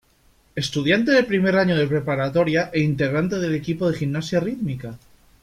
Estudiante de primer año de preparatoria e integrante del equipo de gimnasia rítmica.